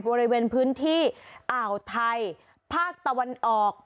บริเวณพื้นที่อ่าวไทยภาคตะวันออก